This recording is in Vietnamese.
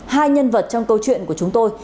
hai nhân vật trong câu chuyện của chúng tôi